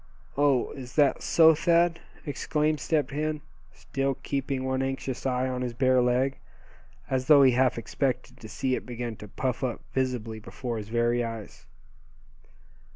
"Oh! is that so, Thad?" exclaimed Step Hen, still keeping one anxious eye on his bare leg, as though he half expected to see it begin to puff up visibly before his very eyes.